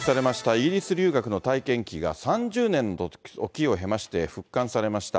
イギリス留学の体験記が、３０年の時を経まして復刊されました。